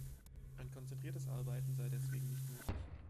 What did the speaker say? Ein konzentriertes Arbeiten sei deswegen nicht möglich.